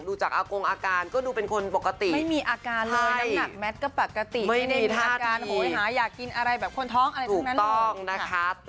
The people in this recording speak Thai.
ดูจากกรูไม่มีอาการเตียงยุงภาค